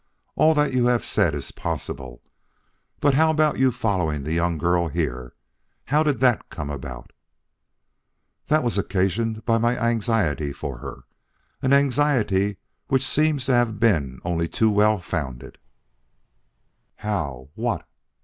All that you have said is possible. But how about your following the young girl here? How did that come about?" "That was occasioned by my anxiety for her an anxiety which seems to have been only too well founded." "How? What?"